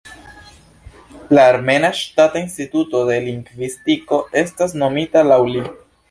La armena Ŝtata Instituto de Lingvistiko estas nomita laŭ li.